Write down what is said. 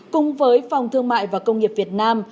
cùng với phòng thương mại và công nghiệp việt nam